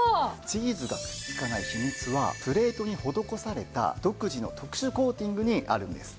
チーズがくっつかない秘密はプレートに施された独自の特殊コーティングにあるんです。